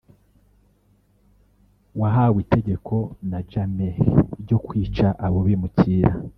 wahawe itegeko na Jammeh ryo kwica abo bimukira